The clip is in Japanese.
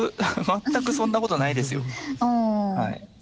全くそんなことはないですよ。